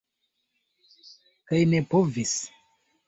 Kaj ne povis.